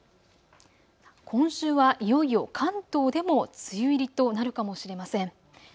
今週はいよいよ関東でも梅雨入りとなるかもしれません。